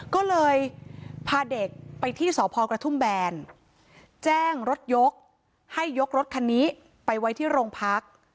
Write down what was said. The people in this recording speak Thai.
ก็เลยพาเด็กไปที่สพกระทุ่มแบนแจ้งรถยกให้ยกรถคันนี้ไปไว้ที่โรงพัก